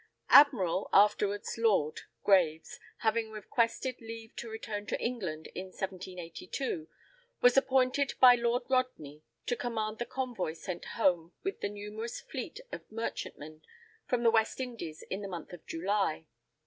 Admiral (afterwards Lord) Graves having requested leave to return to England in 1782, was appointed by Lord Rodney to command the convoy sent home with the numerous fleet of merchantmen from the West Indies in the month of July.